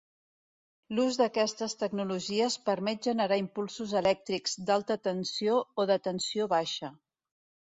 L'ús d'aquestes tecnologies permet generar impulsos elèctrics d'alta tensió o de tensió baixa.